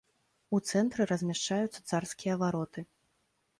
У цэнтры размяшчаюцца царскія вароты.